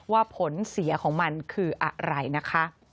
ว่าผลเสียของมันคืออะไรนะคะ